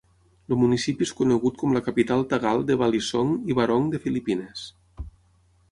El municipi és conegut com la capital tagal de Balisong i Barong de Filipines.